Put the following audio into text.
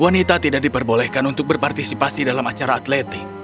wanita tidak diperbolehkan untuk berpartisipasi dalam acara atletik